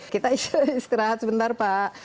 kita istirahat sebentar pak